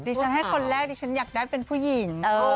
ฉันให้คนแรกดิฉันอยากได้เป็นผู้หญิง